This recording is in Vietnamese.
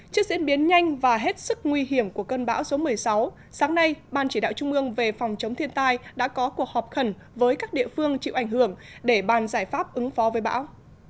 trước diễn biến nhanh và hết sức nguy hiểm của cơn bão số một mươi sáu sáng nay ban chỉ đạo trung ương về phòng chống thiên tai đã có cuộc họp khẩn với các địa phương chịu ảnh hưởng để ban giải pháp ứng phó với bão